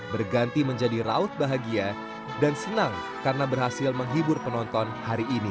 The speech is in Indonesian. berganti menjadi raut bahagia dan senang karena berhasil menghibur penonton hari ini